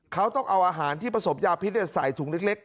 เขาต้องเอาอาหารที่ผสมยาพิษใส่ถุงเล็ก